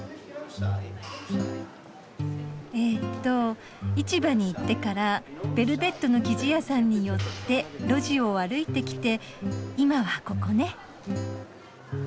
えっと市場に行ってからベルベットの生地屋さんに寄って路地を歩いてきて今はここね。